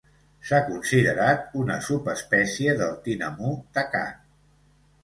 S'ha considerat una subespècie del tinamú tacat.